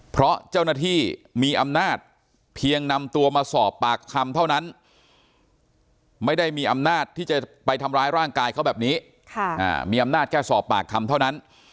เพราะเจ้าหน้าที่มีอำนาจเพียงนำตัวมาสอบปากคำเท่านั้นไม่ได้มีอำนาจที่จะไปทำร้ายร่างกายเขาแบบนี้มีอำนาจแค่สอบปากคำเท่านั้น